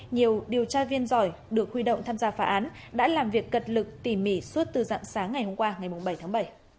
nhiều điều tra viên giỏi được huy động tham gia phá án đã làm việc cật lực tỉ mỉ suốt từ dạng sáng ngày hôm qua ngày bảy tháng bảy